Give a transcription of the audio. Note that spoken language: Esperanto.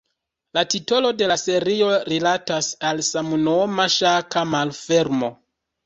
La titolo de la serio rilatas al samnoma ŝaka malfermo.